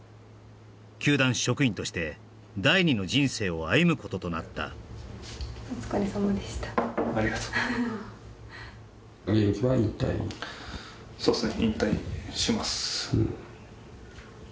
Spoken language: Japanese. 球団職員として第２の人生を歩むこととなったそうね